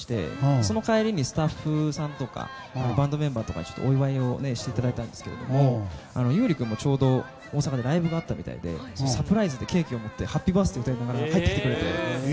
その帰りにスタッフさんとかバンドメンバーとかにお祝いをしていただいたんですが優里君もちょうど大阪でライブがあったみたいでサプライズでケーキを持ってハッピーバースデーを歌いながら入ってきてくれて。